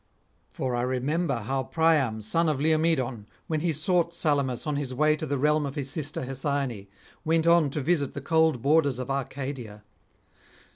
For I remember how Priam son of Laomedon, when he sought Salamis on his way to the realm of his sister Hesione, went on to visit the cold borders of Arcadia.